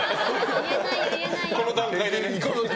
この段階でね。